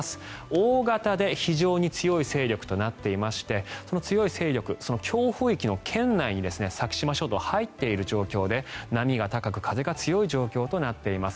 大型で非常に強い勢力となっていましてその強い勢力強風域の圏内に先島諸島、入っている状況で波が高く、風が強い状況となっています。